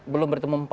belum bertemu empat